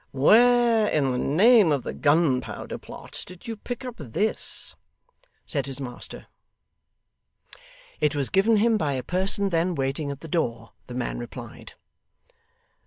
'Where in the name of the Gunpowder Plot did you pick up this?' said his master. It was given him by a person then waiting at the door, the man replied.